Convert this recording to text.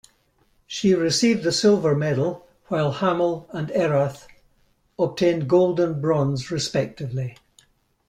She received the silver medal, while Hamill and Errath obtained gold and bronze respectively.